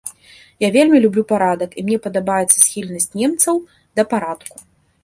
Я вельмі люблю парадак і мне падабаецца схільнасць немцаў да парадку.